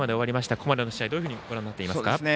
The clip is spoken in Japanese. ここまでの試合どういうふうにご覧になっていますか？